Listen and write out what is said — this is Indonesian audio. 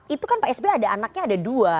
itu kan pak s b ada anaknya ada dua